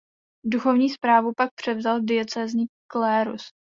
Duchovní správu pak převzal diecézní klérus.